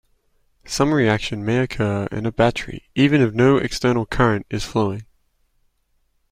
Some reaction may occur in a battery even if no external current is flowing.